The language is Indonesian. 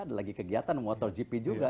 ada lagi kegiatan motor gp juga